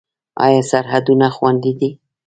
آیا سرحدونه خوندي دي؟